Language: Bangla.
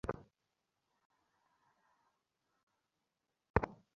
তিনি ক্রিমিয়ান খানাতের খান হিসেবে দায়িত্বগ্রহণ করেন।